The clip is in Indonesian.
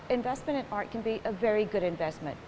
investasi dalam seni bisa menjadi investasi yang bagus